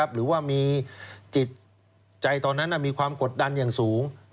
หรือว่ามีจิตใจตอนนั้นมีความกดดันอย่างสูง